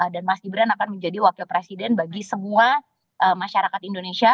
dan mas ibran akan menjadi wakil presiden bagi semua masyarakat indonesia